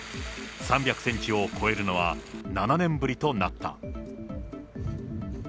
３００センチを超えるのは７年ぶりとなった。